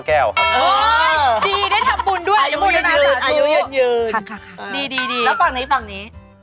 แล้วฝั่งนี้ฝั่งนี้